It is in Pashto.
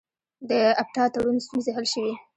د اپټا تړون ستونزې حل شوې؟